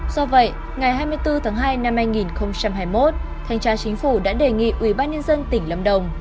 do vậy ngày hai mươi bốn tháng hai năm hai nghìn hai mươi một thanh tra chính phủ đã đề nghị ủy ban nhân dân tỉnh lâm đồng